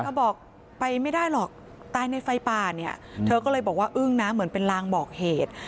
บอกไปไม่ได้หรอกตายในไฟป่าเนี่ยเธอก็เลยบอกว่าอึ้งนะเหมือนเป็นลางบอกเหตุ